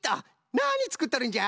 なにつくっとるんじゃ？